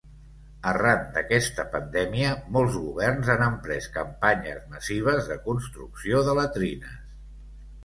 Arran d'aquesta pandèmia molts governs han emprès campanyes massives de construcció de latrines.